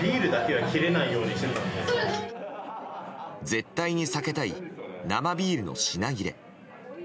絶対に避けたい生ビールの品切れ。